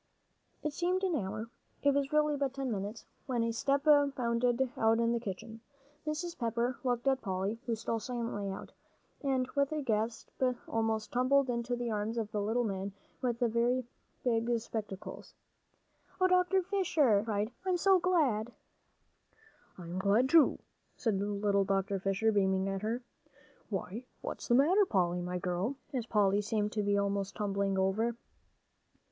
It seemed an hour. It was really but ten minutes, when a step bounded out in the kitchen. Mrs. Pepper looked at Polly, who stole silently out, and with a gasp almost tumbled into the arms of a little man with very big spectacles. "Oh, Dr. Fisher!" she cried, "I'm so glad!" "And I'm glad, too," said little Dr. Fisher, beaming at her. "Why, what's the matter, Polly, my girl?" as Polly seemed to be almost tumbling over.